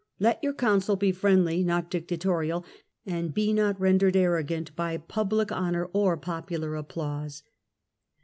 ... Let your counsel be friendly not dictatorial, and be not rendered proud and arrogant by public honour or popular applause."